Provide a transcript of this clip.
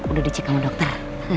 udah dicek sama dokter